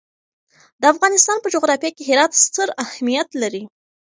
د افغانستان په جغرافیه کې هرات ستر اهمیت لري.